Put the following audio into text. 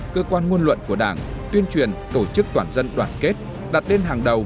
cơ quan ngôn luận của đảng tuyên truyền tổ chức toàn dân đoàn kết đặt tên hàng đầu